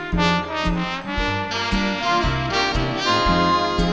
ขอบความจากฝ่าให้บรรดาดวงคันสุขสิทธิ์